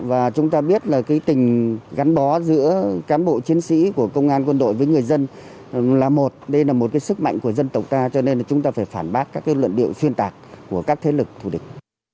và chúng ta biết là cái tình gắn bó giữa cán bộ chiến sĩ của công an quân đội với người dân là một đây là một cái sức mạnh của dân tộc ta cho nên là chúng ta phải phản bác các luận điệu xuyên tạc của các thế lực thù địch